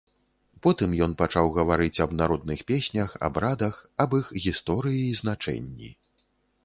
Потым ён пачаў гаварыць аб народных песнях, абрадах, аб іх гісторыі і значэнні.